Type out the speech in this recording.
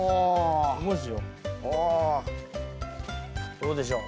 どうでしょう？